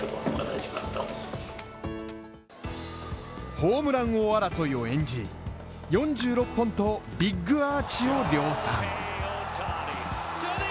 ホームラン王争いを演じ、４６本とビッグアーチを量産。